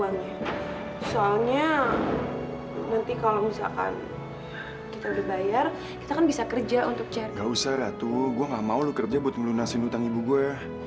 nggak usah ratu gue nggak mau lu kerja buat ngelunasin hutang ibu gue